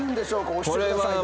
押してください。